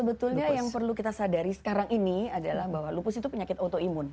sebetulnya yang perlu kita sadari sekarang ini adalah bahwa lupus itu penyakit autoimun